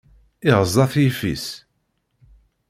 iɣeẓẓa-t yiffis.